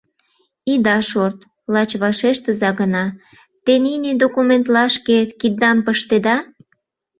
Ида шорт, лач вашештыза гына, те нине документлашке киддам пыштеда?